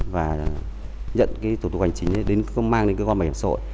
và nhận cái thủ tục hành chính không mang đến cơ quan bảo hiểm xã hội